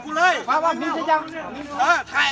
พ่อหนูเป็นใคร